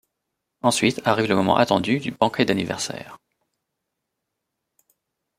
Ensuite arrive le moment attendu du banquet d'anniversaire.